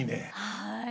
はい。